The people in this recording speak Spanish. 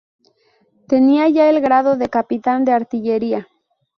Tenía ya el grado de capitán de artillería.